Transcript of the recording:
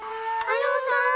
ようさん？